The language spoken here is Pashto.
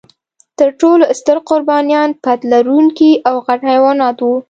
تر ټولو ستر قربانیان پت لرونکي او غټ حیوانات و.